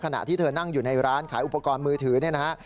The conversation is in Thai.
ขณะที่เธอนั่งอยู่ในร้านขายอุปกรณ์มือถือเนี่ยนะฮะ